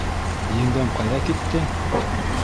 — Еңгәм ҡайҙа китте?